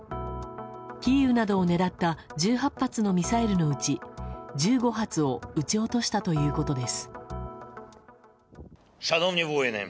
キーウなどを狙った１８発のミサイルのうち１５発を撃ち落としたということです。